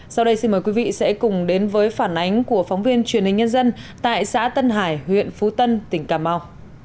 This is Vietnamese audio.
sau đây xin mời quý vị sẽ cùng đến với phản ánh của phóng viên truyền hình nhân dân tại xã tân hải huyện phú tân tỉnh cà mau